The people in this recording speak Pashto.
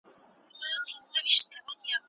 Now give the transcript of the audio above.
د نفس تنګۍ احساس د روغتیا لپاره بد دی.